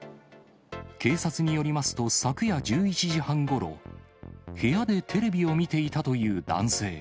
警察によりますと、昨夜１１時半ごろ、部屋でテレビを見ていたという男性。